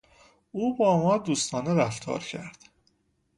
او با ما دوستانه رفتار کرد.